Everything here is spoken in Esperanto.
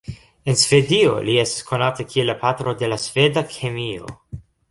En Svedio li estas konata kiel la patro de la sveda kemio.